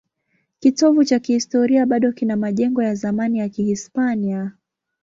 Kitovu cha kihistoria bado kina majengo ya zamani ya Kihispania.